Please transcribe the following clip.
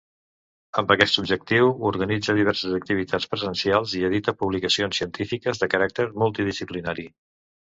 Amb aquest objectiu, organitza diverses activitats presencials i edita publicacions científiques de caràcter multidisciplinari.